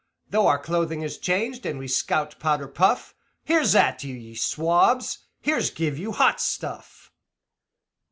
Though our clothing is changed, and we scout powder puff, Here's at you, ye swabs here's give you Hot Stuff!